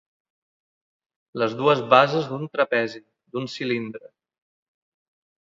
Les dues bases d'un trapezi, d'un cilindre.